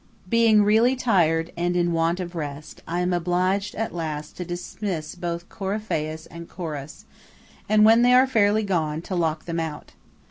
Being, really tired and in want of rest, I am obliged at last to dismiss both Coryphæus and Chorus, and when they are fairly gone, to lock them out.